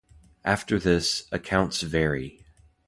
After this, accounts vary.